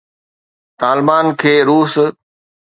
طالبان کي روس